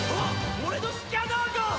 俺のスキャナーが！